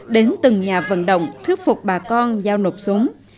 đến từng nhà vận động thuyết phục bà con giao nộp súng